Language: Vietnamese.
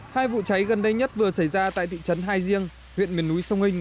hai vụ cháy gần đây nhất vừa xảy ra tại thị trấn hai riêng huyện miền núi sông hình